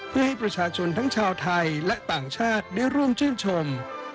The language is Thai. เพื่อให้ประชาชนทั้งชาวไทยและต่างชาติได้ร่วมชื่นชม